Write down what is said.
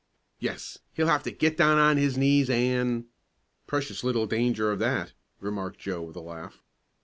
"Yes, he'll have to get down on his knees and " "Precious little danger of that," remarked Joe with a laugh.